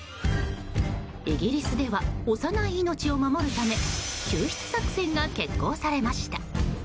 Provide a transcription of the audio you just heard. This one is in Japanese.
イギリスでは幼い命を守るため救出作戦が決行されました。